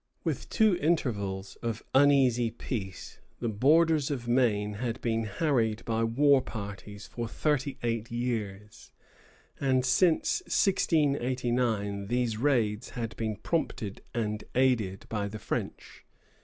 With two intervals of uneasy peace, the borders of Maine had been harried by war parties for thirty eight years; and since 1689 these raids had been prompted and aided by the French.